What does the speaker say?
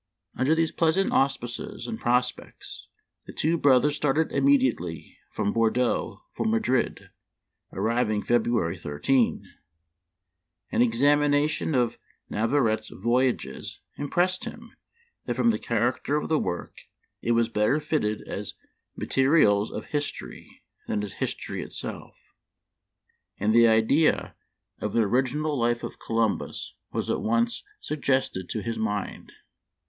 Under these pleasant auspices and prospects the two brothers started immediately from Bor deaux for Madrid, arriving February 15. An examination of Navarette's " Voyages " im pressed him that from the character of the work it was better fitted as materials of history than as history itself, and the idea of an original Memoir of Washington Irving. 155 Life of Columbus was at once suggested to his mind.